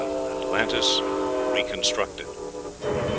ATLANTIS RECONSTRUCTED.